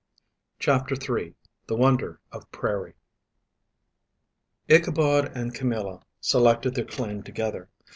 CHAPTER III THE WONDER OF PRAIRIE Ichabod and Camilla selected their claim together.